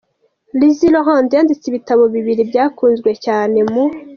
Lysiane Rolland yanditse ibitabo bibiri byakunzwe cyane mu.